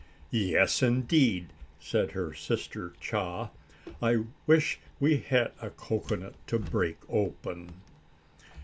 "Yes, indeed," said her sister Chaa. "I wish we had a cocoanut to break open."